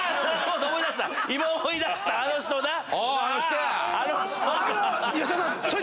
あの人や！